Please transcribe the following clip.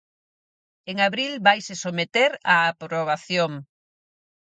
En abril vaise someter a aprobación.